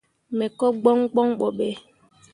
Me ko gboŋ gboŋ ɓo ɓe.